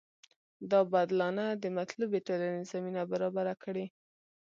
دا بدلانه د مطلوبې ټولنې زمینه برابره کړي.